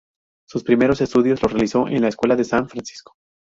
Sus primeros estudios los realizó en la escuela de San Francisco.